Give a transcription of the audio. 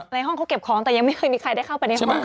ในห้องเขาเก็บของแต่ยังไม่เคยมีใครได้เข้าไปในห้อง